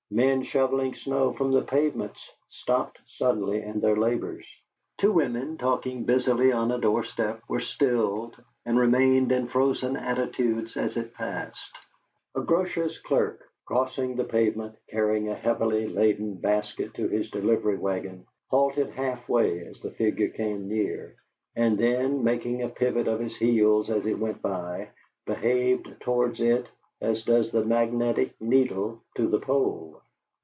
Men shovelling snow from the pavements stopped suddenly in their labors; two women, talking busily on a doorstep, were stilled and remained in frozen attitudes as it passed; a grocer's clerk, crossing the pavement, carrying a heavily laden basket to his delivery wagon, halted half way as the figure came near, and then, making a pivot of his heels as it went by, behaved towards it as does the magnetic needle to the pole.